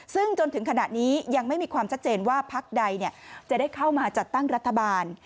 ซึ่งจนถึงขณะนี้ยังไม่มีความชัดเจนว่าพักใดจะได้เข้ามาจัดตั้งรัฐบาล